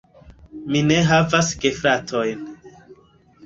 Mi ne havas gefratojn.